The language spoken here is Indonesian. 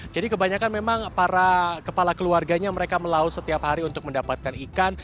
jadi kebanyakan memang para kepala keluarganya mereka melaut setiap hari untuk mendapatkan ikan